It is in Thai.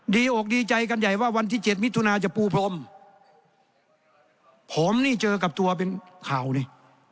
อกดีใจกันใหญ่ว่าวันที่เจ็ดมิถุนาจะปูพรมผมนี่เจอกับตัวเป็นข่าวนี่